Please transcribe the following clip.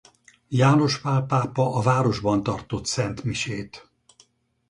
János Pál pápa a városban tartott szentmisét.